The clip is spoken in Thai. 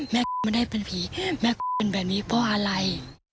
ไม่ได้เป็นผีแม่เป็นแบบนี้เพราะอะไร